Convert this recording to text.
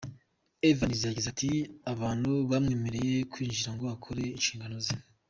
Evans yagize ati “Abantu bamwemereye kwinjira ngo akore inshingano ze.